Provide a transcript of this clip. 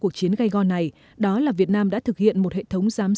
cuộc chiến gai go này đó là việt nam đã thực hiện một hệ thống giai đoạn đặc biệt